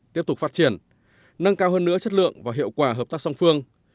tiếp tục phát triển nâng cao hơn nữa chất lượng và hiệu quả hợp tác song phương